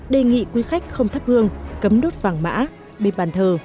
đề nghị quý khách không thắp hương cấm đốt vàng mã bên bàn thờ